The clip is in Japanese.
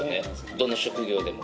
どの職業でも。